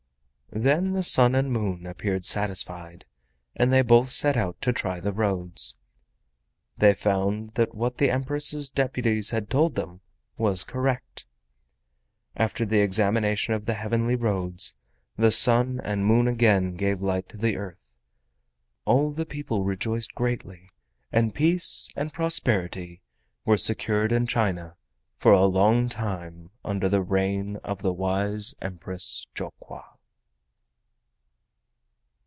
Then the Sun and Moon appeared satisfied, and they both set out to try the roads. They found that what the Empress's deputies had told them was correct. After the examination of the heavenly roads, the Sun and Moon again gave light to the earth. All the people rejoiced greatly, and peace and prosperity were secured in China for a long time under the reign of the wise Empress Jokwa.